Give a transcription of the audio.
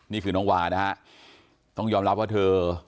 นี่คือน้องวานะฮะต้องยอมรับว่าเธอ